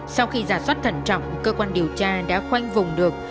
sau khi giả soát thẩn trọng cơ quan điều tra đã khoanh vùng được